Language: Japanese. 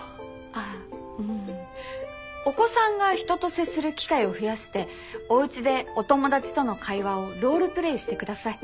ああお子さんが人と接する機会を増やしておうちでお友達との会話をロールプレーして下さい。